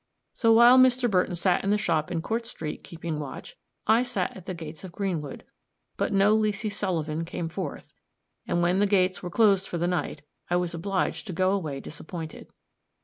So while Mr. Burton sat in the shop in Court street keeping watch, I sat at the gates of Greenwood; but no Leesy Sullivan came forth; and when the gates were closed for the night, I was obliged to go away disappointed.